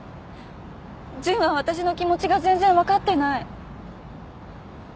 純は私の気持ちが全然わかってない。